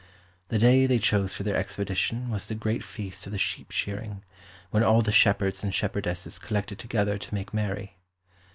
The day they chose for their expedition was the great feast of the sheep shearing, when all the shepherds and shepherdesses collected together to make merry.